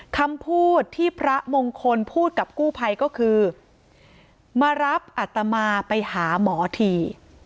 คำพูดที่พระมงคลพูดกับกู้ภัยก็คือมารับอัตมาไปหาหมอที